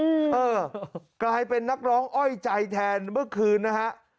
เออกลายเป็นนักร้องอ้อยใจแทนเมื่อคืนนะฮะ